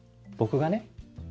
僕がね